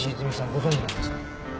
ご存じなんですか？